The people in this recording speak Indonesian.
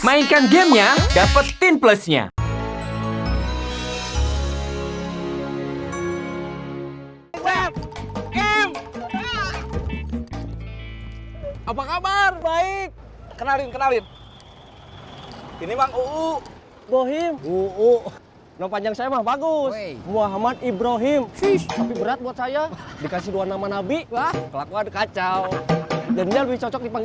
mainkan gamenya dapetin plusnya